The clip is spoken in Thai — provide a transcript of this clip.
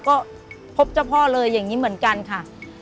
ก็พบเจ้าพ่อเลยอย่างนี้เหมือนกันค่ะ